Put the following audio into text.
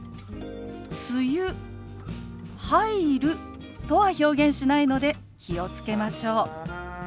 「梅雨入る」とは表現しないので気を付けましょう。